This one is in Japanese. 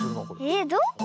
えっどこ？